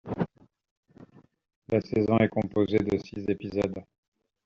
La saison est composée de six épisodes.